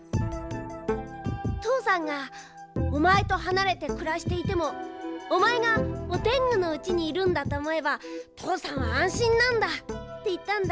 とうさんが「おまえとはなれてくらしていてもおまえがオテングのうちにいるんだとおもえばとうさんはあんしんなんだ」っていったんだ。